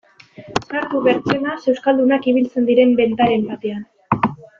Sartu bertzenaz euskaldunak ibiltzen diren bentaren batean...